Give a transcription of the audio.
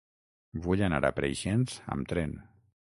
Vull anar a Preixens amb tren.